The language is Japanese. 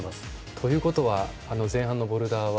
ということは前半のボルダーは